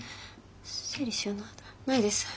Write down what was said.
整理収納ないです。